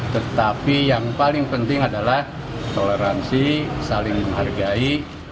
tetapi yang paling penting adalah toleransi saling menghargai